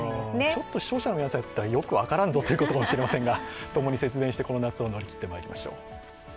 ちょっと視聴者の皆さんにとってはよく分からんぞということかもしれませんが共に節電して、この夏を乗り切っていきましょう。